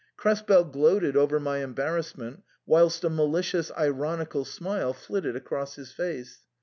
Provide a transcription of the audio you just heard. Krespel gloated over my embar rassment, whilst a malicious ironical smile flitted across his face.